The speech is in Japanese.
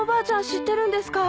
知ってるんですか？